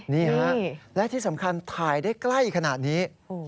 นี่ฮะและที่สำคัญถ่ายได้ใกล้ขนาดนี้